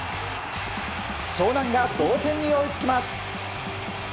湘南が同点に追いつきます。